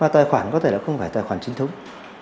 tài khoản có thể là không phải tài khoản chính thống